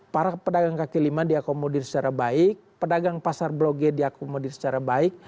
karena pedagang kaki lima diakomodir secara baik pedagang pasar bloge diakomodir secara baik